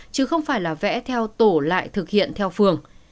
chứ không phải là vẽ theo tổ lại thực hiện theo phường